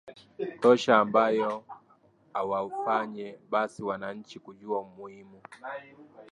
tosha ambayo awafanye basi wananchi kujua muhimu